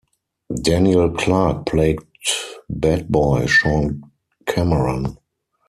Daniel Clark played bad-boy Sean Cameron.